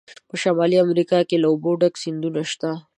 په شمالي امریکا کې له اوبو ډک سیندونه شته.